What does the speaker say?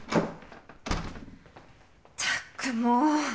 ったくもう！